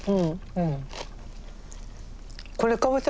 うん。